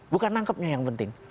bukan nangkepnya yang penting